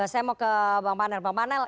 saya mau ke bang panel